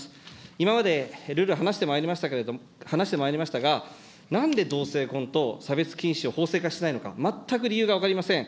今までるる話してまいりましたが、なんで同性婚と差別禁止を法制化しないのか、全く理由が分かりません。